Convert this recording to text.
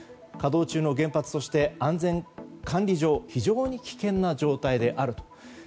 稼働中の原発として安全管理上非常に危険な状態であると。